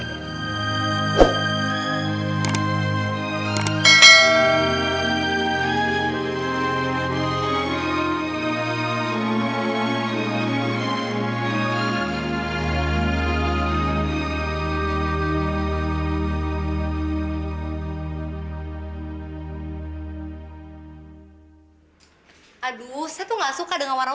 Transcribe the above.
emang mata nya kegelian ya